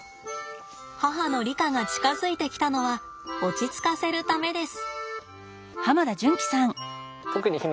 母のリカが近づいてきたのは落ち着かせるためです。